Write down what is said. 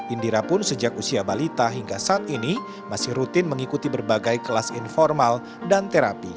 indira pun sejak usia balita hingga saat ini masih rutin mengikuti berbagai kelas informal dan terapi